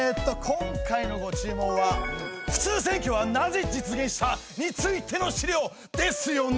今回のご注文は「普通選挙はなぜ実現した？」についての資料ですよね！？